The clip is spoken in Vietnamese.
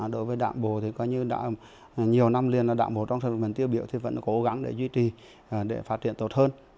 đối với đảng bộ thì coi như đã nhiều năm liền là đảng bộ trong thôn miền tiêu biểu thì vẫn cố gắng để duy trì để phát triển tốt hơn